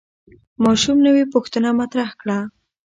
ماشوم نوې پوښتنه مطرح کړه